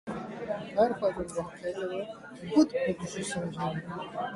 ہر خاتون کو حق حاصل ہے کہ وہ خود کو پرکشش سمجھے ریانا